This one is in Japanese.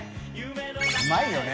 うまいよね！